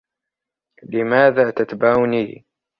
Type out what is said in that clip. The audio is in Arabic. لماذا تتبعني ؟